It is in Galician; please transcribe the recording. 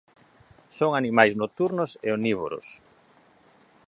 Son animais nocturnos e omnívoros.